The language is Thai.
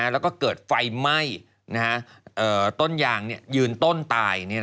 แล้วก็เกิดไฟไหม้ต้นยางยืนต้นตาย